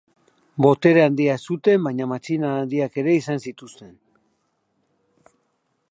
Botere handia zuten baina matxinada handiak ere izan zituzten.